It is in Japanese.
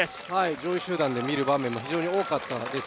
上位集団で見る場面も非常に多かったです。